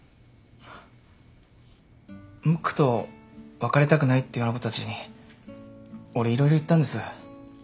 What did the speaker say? ムックと別れたくないって言うあの子たちに俺色々言ったんです。